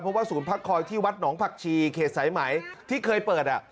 เพราะว่าศูนย์พักคอยที่วัดหนองผักชีเขตสายไหมที่เคยเปิด